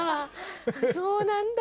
そうなんだ。